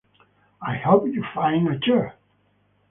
I hope you find a chair.